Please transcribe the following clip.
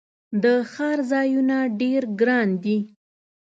د ښار ځایونه ډیر ګراندي